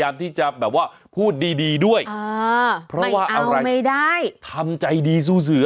ไม่เอาไม่ได้